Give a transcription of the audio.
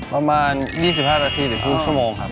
ประมาณ๒๕นาทีถึงครึ่งชั่วโมงครับ